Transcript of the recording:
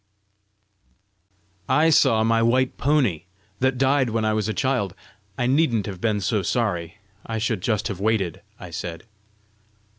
"I saw my white pony, that died when I was a child. I needn't have been so sorry; I should just have waited!" I said.